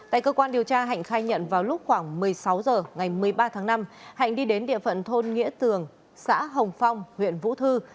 tại cơ quan điều tra hạnh khai nhận vào lúc khoảng một mươi sáu h ngày một mươi ba tháng năm hạnh đi đến địa phận thôn nghĩa tường xã hồng phong huyện vũ thư